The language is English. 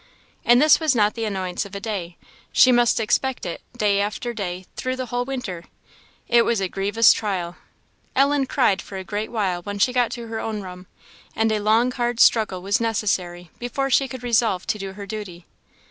And this was not the annoyance of a day; she must expect it day after day through the whole winter. It was a grievous trial. Ellen cried for a great while when she got to her own room, and a long hard struggle was necessary before she could resolve to do her duty.